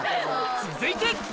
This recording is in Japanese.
続いて！